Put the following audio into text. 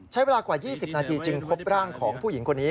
ใช้เวลากว่า๒๐นาทีจึงพบร่างของผู้หญิงคนนี้